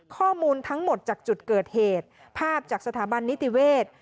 ข้อมูลทั้งหมดจากจุดเกิดเหตุภาพจากสถาบันนิติเวศ